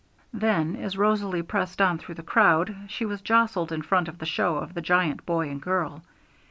Then, as Rosalie pressed on through the crowd, she was jostled in front of the show of the Giant Boy and Girl.